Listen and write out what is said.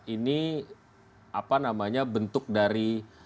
ini bentuk dari